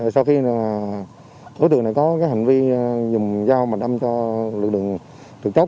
sau khi đối tượng này có hành vi dùng dao bạch âm cho lực lượng thực tốc